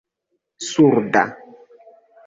surda